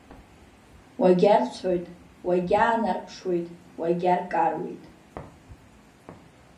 Уагьарцәоит, уагьаанарԥшуеит, уагьаркаруеит.